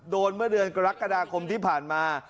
เมื่อเดือนกรกฎาคมที่ผ่านมา